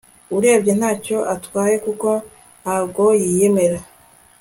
urebye ntacyo atwaye kuko ntago yiyemera